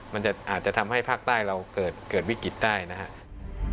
มันอาจจะทำให้ภาคใต้เราเกิดวิกฤตได้นะครับ